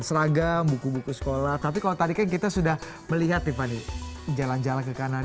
seragam buku buku sekolah tapi kalau tadi kan kita sudah melihat tiffany jalan jalan ke kanan